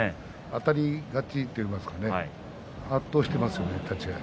あたり勝ちといいますか圧倒していますよね、立ち合い。